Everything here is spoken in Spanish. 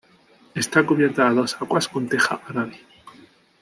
Está cubierta a dos aguas con teja árabe.